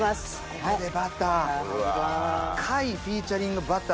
ここでバター。